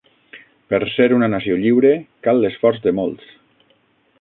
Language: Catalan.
Per ser una nació lliure, cal l'esforç de molts.